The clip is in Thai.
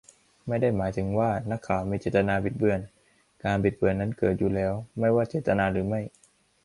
ไม่ได้หมายถึงว่า นักข่าวมีเจตนาบิดเบือน การบิดเบือนนั้นเกิดอยู่แล้ว ไม่ว่าเจตนาหรือไม่